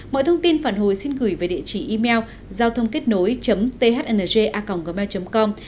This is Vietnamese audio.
mọi thông tin phản hồi xin gửi về địa chỉ email giao thôngkếtnối thng a gmail com